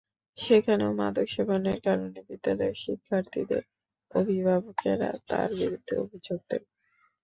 সেখানেও মাদক সেবনের কারণে বিদ্যালয়ের শিক্ষার্থীদের অভিভাবকেরা তাঁর বিরুদ্ধে অভিযোগ দেন।